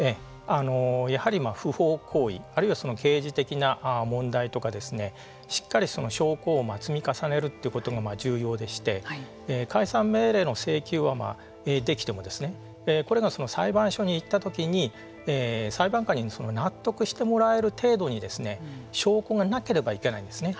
やはり不法行為あるいは刑事的な問題とかですねしっかりその証拠を積み重ねるということも重要でして解散命令の請求はできてもこれは裁判所に行った時に裁判官に納得してもらえる程度に証拠がなければいけないんですね。